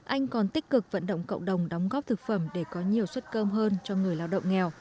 anh còn tích cực vận động cộng đồng đóng góp thực phẩm để có nhiều xuất cơm hơn cho người lao động nghèo